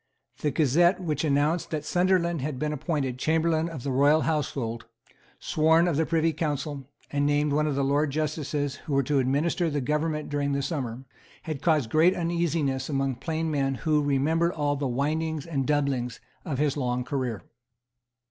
The Gazette which announced that Sunderland been appointed Chamberlain of the Royal Household, sworn of the Privy Council, and named one of the Lords Justices who were to administer the government during the summer had caused great uneasiness among plain men who remembered all the windings and doublings of his long career.